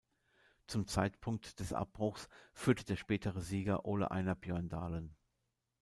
Zum Zeitpunkt des Abbruchs führte der spätere Sieger Ole Einar Bjørndalen.